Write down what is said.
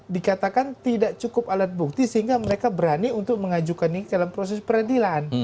dikatakan tidak cukup alat bukti sehingga mereka berani untuk mengajukan ini dalam proses peradilan